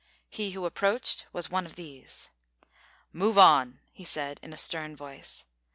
He who approached was one of these. "Move on," he said in a stern voice.